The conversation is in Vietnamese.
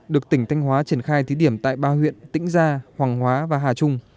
được tỉnh thanh hóa triển khai thí điểm tại ba huyện tĩnh gia hoàng hóa và hà trung